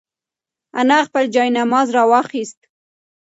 انا خپل جاینماز راواخیست.